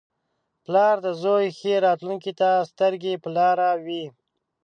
• پلار د زوی ښې راتلونکې ته سترګې په لاره وي.